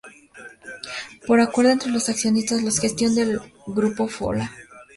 Por acuerdo entre los accionistas, la gestión es del Grupo Folha.